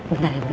bentar ya bu